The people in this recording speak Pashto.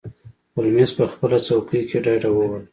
هولمز په خپله څوکۍ کې ډډه ووهله.